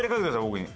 僕に。